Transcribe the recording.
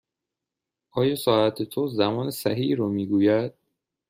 آیا ساعت تو زمان صحیح را می گوید؟